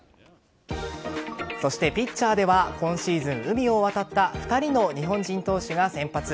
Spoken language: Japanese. そしてピッチャーでは今シーズン海を渡った２人の日本人投手が先発。